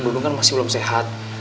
om dudung kan masih belum sehat